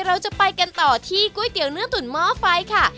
เราจะไปกันต่อที่ก๋วยเตี๋ยวเนื้อตุ๋นหม้อไฟค่ะ